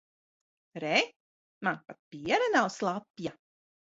Re, man pat piere nav slapja.